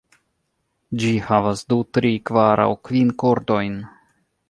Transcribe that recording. Ĝi havas du, tri, kvar aŭ kvin kordojn.